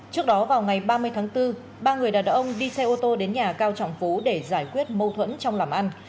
trước đó vào ngày ba mươi tháng bốn ba người đàn ông đi xe ô tô đến nhà cao trọng phú để giải quyết mâu thuẫn trong làm ăn